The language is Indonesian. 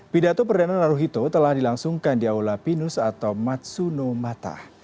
pidato perdana naruhito telah dilangsungkan di aula pinus atau matsuno mata